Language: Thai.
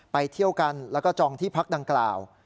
เที่ยวกันแล้วก็จองที่พักดังกล่าว